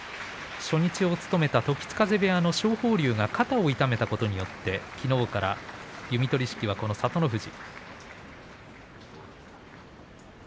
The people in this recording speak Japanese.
初日を務めた時津風部屋の将豊竜が肩を痛めたことによってきのうから弓取式はこの聡ノ富士。